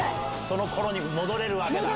その頃に戻れるわけだ。